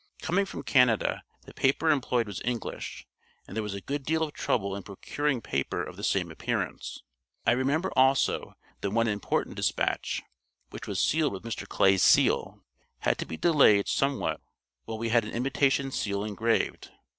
Coming from Canada, the paper employed was English, and there was a good deal of trouble in procuring paper of the same appearance. I remember also that one important dispatch, which was sealed with Mr. Clay's seal, had to be delayed somewhat while we had an imitation seal engraved.